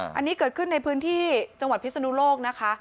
อันนี้เกิดขึ้นในพื้นที่จังหวัดพิศนุโลกนะคะ